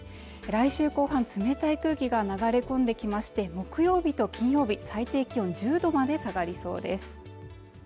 来週後半冷たい空気が流れ込んできまして木曜日と金曜日最低気温１０度まで下がりそうです